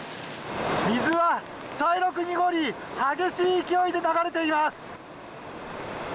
水は茶色く濁り激しい勢いで流れています。